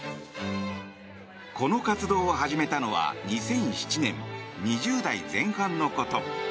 この活動を始めたのは２００７年、２０代前半のこと。